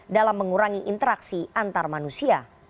dalam mengurangi interaksi antar manusia